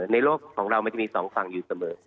โลกของเรามันจะมีสองฝั่งอยู่เสมอ